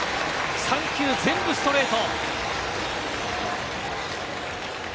３球、全部ストレート。